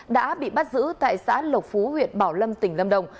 đã bị bắt giữ tại xã lộc phú huyện bảo lâm tỉnh lâm đồng